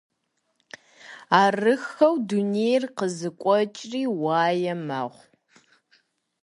Арыххэу дунейр къызокӀуэкӀри уае мэхъу.